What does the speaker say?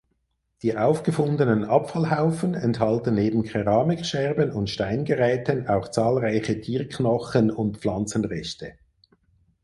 Die aufgefundenen Abfallhaufen enthalten neben Keramikscherben und Steingeräten auch zahlreiche Tierknochen und Pflanzenreste.